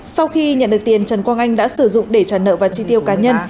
sau khi nhận được tiền trần quang anh đã sử dụng để trả nợ và chi tiêu cá nhân